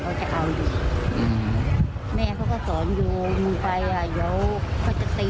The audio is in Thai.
ถ้าเกิดเขาบ้าเขาก็ต้องกินยานี้